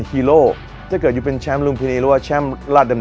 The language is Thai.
ฮีโร่ถ้าเกิดอยู่เป็นแชมป์ลุมพินีหรือว่าแชมป์ราชดำ